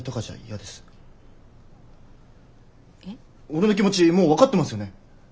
俺の気持ちもう分かってますよね？